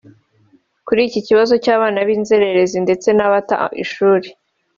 Kuri iki kibazo cy’abana b’inzerere ndetse n’abata ishuri